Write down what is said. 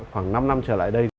khoảng năm năm trở lại đây